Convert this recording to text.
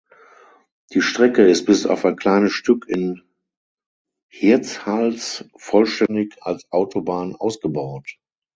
Die Strecke ist bis auf ein kleines Stück in Hirtshals vollständig als Autobahn ausgebaut.